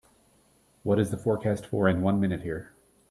What is the forecast for in one minute here